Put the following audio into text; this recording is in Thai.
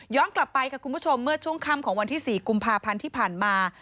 กลับไปค่ะคุณผู้ชมเมื่อช่วงค่ำของวันที่๔กุมภาพันธ์ที่ผ่านมา